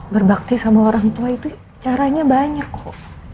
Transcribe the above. berbakti sama orang tua itu caranya banyak kok